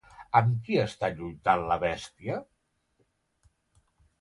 Amb qui està lluitant la bèstia?